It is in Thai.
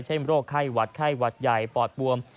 โรคไข้หวัดไข้หวัดใหญ่ปอดบวม